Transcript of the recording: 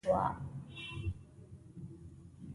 په دې توګه د امیر شېر علي خان د امارت دوهمه دوره پیل شوه.